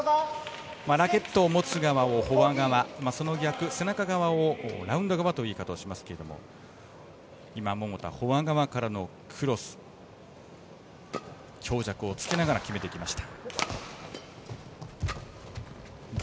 ラケットを持つ側をフォア側その逆、背中側をラウンド側という言い方をしますが今、桃田フォア側からのクロス強弱をつけながら決めていきました。